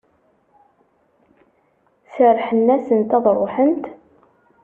Serrḥen-asent ad ruḥent?